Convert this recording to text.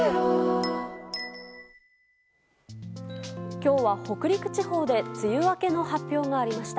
今日は北陸地方で梅雨明けの発表がありました。